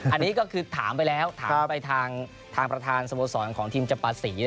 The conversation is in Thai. อันนี้ก็คือถามไปแล้วถามไปทางประธานสโมสรของทีมจำปาศรี